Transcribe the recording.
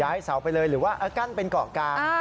เสาไปเลยหรือว่ากั้นเป็นเกาะกลาง